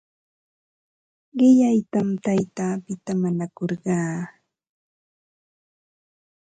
Qillaytam taytapita mañakurqaa.